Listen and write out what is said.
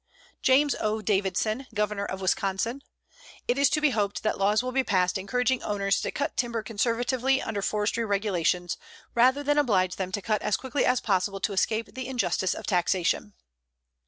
JAMES O. DAVIDSON, Governor of Wisconsin: It is to be hoped that laws will be passed encouraging owners to cut timber conservatively under forestry regulations, rather than oblige them to cut as quickly as possible to escape the injustice of taxation.